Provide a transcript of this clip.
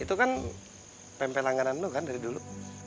itu kan pempek langganan lu kan dari dulu